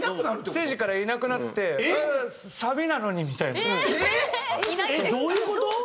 ステージからいなくなって「サビなのに」みたいな。えっどういう事？